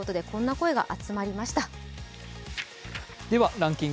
ランキング